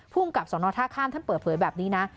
ภูมิกับสนท่าข้ามท่านเปิดเผยแบบนี้นะ